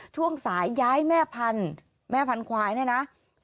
ช่วงสายย้ายแม่พันธุ์แม่พันธวายเนี่ยนะ